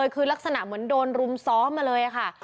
คือลักษณะเหมือนโดนรุมซ้อมมาเลยค่ะ